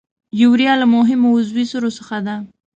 یوریا له مهمو عضوي سرو څخه ده.